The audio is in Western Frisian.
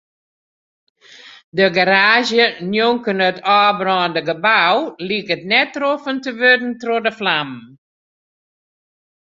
De garaazje njonken it ôfbaarnde gebou liket net troffen te wurden troch de flammen.